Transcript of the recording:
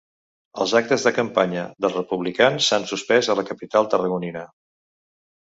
Els actes de campanya dels republicans s’han suspès a la capital tarragonina.